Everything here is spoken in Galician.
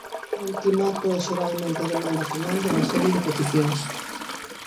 Un ultimato é xeralmente a demanda final dunha serie de peticións.